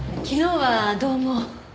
昨日はどうも。